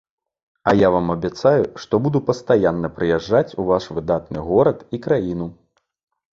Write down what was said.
А я вам абяцаю, што буду пастаянна прыязджаць у ваш выдатны горад і краіну.